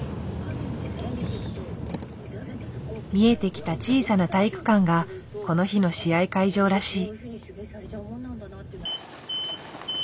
見えてきた小さな体育館がこの日の試合会場らしい。